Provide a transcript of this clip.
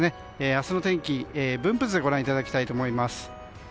明日の天気分布図をご覧いただきたいと思います。